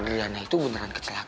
adriana itu beneran kecelakaan